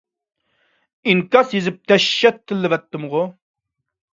ئىنكاس يېزىپ دەھشەت تىللىۋەتتىمغۇ!